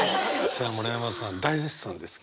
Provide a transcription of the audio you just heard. さあ村山さん大絶賛ですけど。